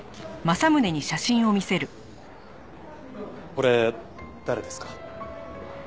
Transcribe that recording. これ誰ですか？